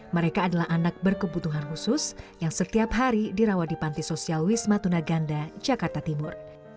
mereka adalah anak berkebutuhan khusus yang setiap hari dirawat di panti sosial wisma tuna ganda jakarta timur